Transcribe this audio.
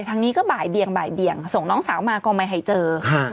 ทางนี้ก็บ่ายเบียงบ่ายเบียงส่งน้องสาวมาก็ไม่ให้เจอค่ะ